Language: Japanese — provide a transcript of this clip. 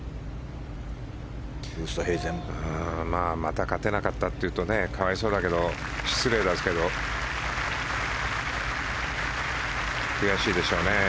また勝てなかったというと可哀想だけど失礼なんですけど悔しいでしょうね。